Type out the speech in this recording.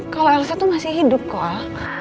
kalau elsa itu masih hidup kok